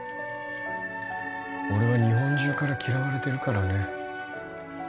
俺は日本中から嫌われてるからね